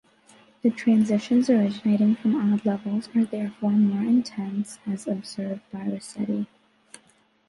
The transitions originating from odd levels are therefore more intense as observed by Rasetti.